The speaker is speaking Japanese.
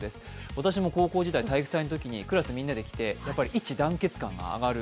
私も高校時代、体育祭のときにクラス全員で着てやっぱり一致団結感が上がる